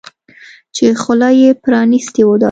چې خوله یې پرانیستې ده.